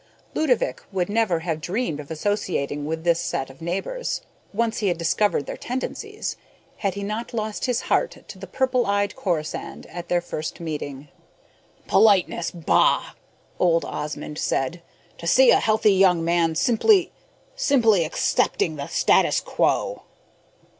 Ludovick would never have dreamed of associating with this set of neighbors, once he had discovered their tendencies, had he not lost his heart to the purple eyed Corisande at their first meeting. "Politeness, bah!" old Osmond said. "To see a healthy young man simply simply accepting the status quo!"